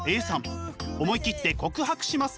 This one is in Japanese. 思い切って告白します。